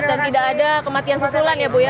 dan tidak ada kematian susulan ya bu ya